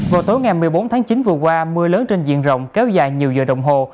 vào tối ngày một mươi bốn tháng chín vừa qua mưa lớn trên diện rộng kéo dài nhiều giờ đồng hồ